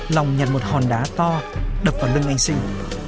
lòng nhặt một hòn đá to đập vào lưng anh sinh